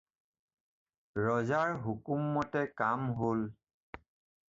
ৰজাৰ হুকুমমতে কাম হ'ল।